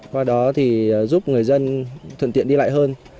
qua đó thì giúp người dân thuận tiện đi lại hơn